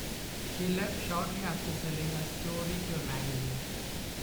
She left shortly after selling a story to a magazine.